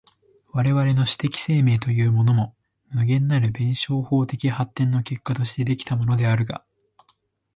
我々の種的生命というものも、無限なる弁証法的発展の結果として出来たものであるが、